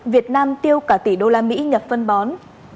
việt nam tiêu cả tỷ đô la mỹ nhập phân bón